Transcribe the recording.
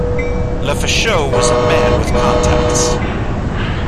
Lefaucheux was a man with contacts.